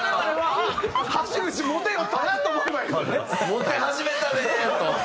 「モテ始めたね！」と。